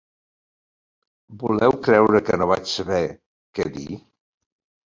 Voleu creure que no vaig saber què dir?